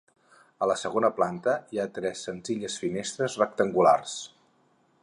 A la segona planta hi ha tres senzilles finestres rectangulars.